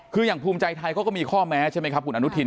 คืออย่างภูมิใจไทยเขาก็มีข้อแม้ใช่ไหมครับคุณอนุทิน